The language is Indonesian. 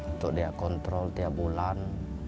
untuk dia kontrol tiap bulan